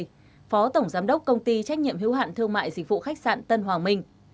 phó tổng giám đốc công ty trách nhiệm hữu hạn thương mại dịch vụ khách sạn tân hoàng minh